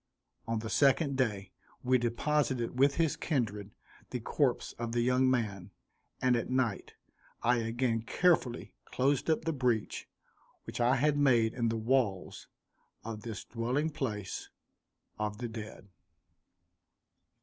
On the second day we deposited with his kindred, the corpse of the young man, and at night I again carefully closed up the breach which I had made in the walls of this dwelling place of the dead.